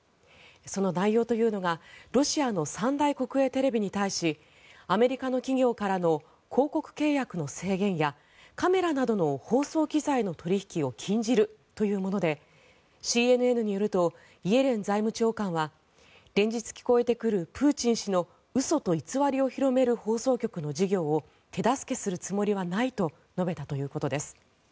その内容というのがロシアの三大国営テレビに対しアメリカの企業からの広告契約の制限やカメラなどの放送機材の取引を禁じるというものでＣＮＮによるとイエレン財務長官は連日聞こえてくるプーチン氏の嘘と偽りを広める放送局の事業を手助けするつもりはないと述べたということです。